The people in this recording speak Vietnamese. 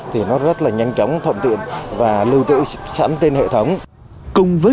thì nó rất là nhanh chóng thuận tiện và lưu trữ sẵn trên hệ thống